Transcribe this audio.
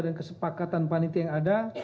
dengan kesepakatan panitia yang ada